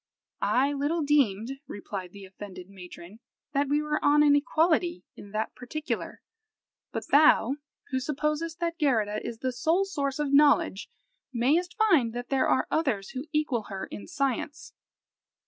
"I little deemed," replied the offended matron, "that we were on an equality in that particular but thou, who supposest that Geirrida is the sole source of knowledge, mayst find that there are others who equal her in science."